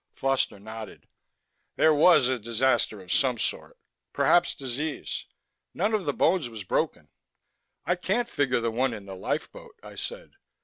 Foster nodded. "There was a disaster of some sort. Perhaps disease. None of the bones was broken." "I can't figure the one in the lifeboat," I said.